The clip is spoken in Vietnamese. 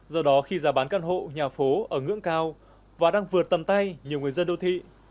do đó khi giá bán căn hộ nhà phố ở ngưỡng cao và đang vượt tầm tay nhiều người dân đô thị